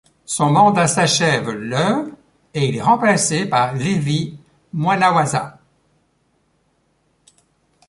Son mandat s'achève le et il est remplacé par Levy Mwanawasa.